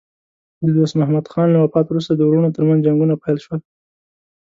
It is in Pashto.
د دوست محمد خان له وفات وروسته د وروڼو ترمنځ جنګونه پیل شول.